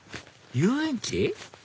遊園地？